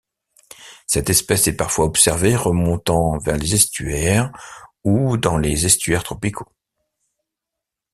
Cette espèce est parfois observée remontant vers les estuaires ou dans les estuaires tropicaux.